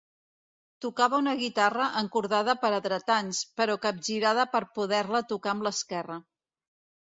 Tocava una guitarra encordada per a dretans, però capgirada per poder-la tocar amb l'esquerra.